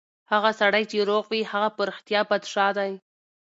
هغه سړی چې روغ وي، هغه په رښتیا پادشاه دی.